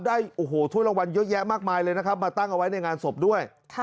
ได้โอ้โหถ้วยรางวัลเยอะแยะมากมายเลยนะครับมาตั้งเอาไว้ในงานศพด้วย